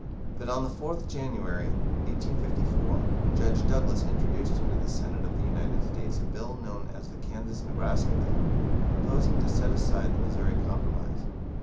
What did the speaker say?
But, on the 4th January, 1854, Judge Douglas introduced into the Senate of the United States a Bill known as the Kansas Nebraska Bill, proposing to set aside the Missouri Compromise.